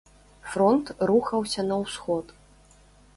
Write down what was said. Фронт рухаўся на ўсход.